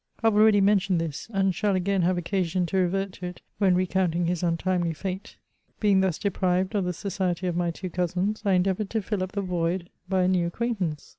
I have already mentioned this, and shall again have occasion to revert to it when recounting his untimely fate.* Being thus deprived of the society of my two cousins, I endeavoured to fill up the void by a new acquantance.